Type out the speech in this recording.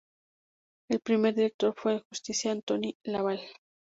El primer director fue el jesuita Antoine Laval.